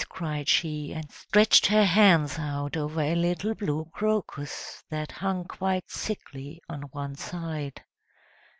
cried she, and stretched her hands out over a little blue crocus, that hung quite sickly on one side.